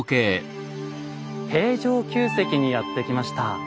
平城宮跡にやって来ました。